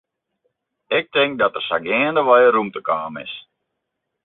Ik tink dat der sa geandewei rûmte kaam is.